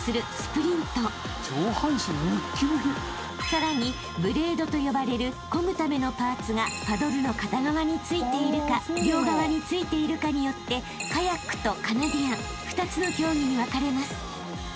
［さらにブレードと呼ばれるこぐためのパーツがパドルの片側に付いているか両側に付いているかによってカヤックとカナディアン２つの競技に分かれます］